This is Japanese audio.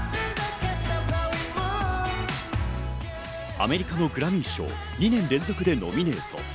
アメリカのグラミー賞、２年連続でノミネート。